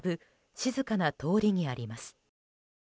静かな通りにあります。